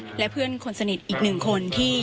ชอบขาวเขียวอย่างเนี่ยดอกไม้ทรงนี้คือกับแกชอบเรียบ